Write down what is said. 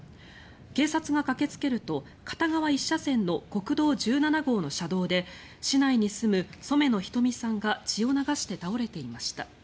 警察が駆けつけると片側１車線の国道１７号の車道で市内に住む染野瞳さんが血を流して倒れていました。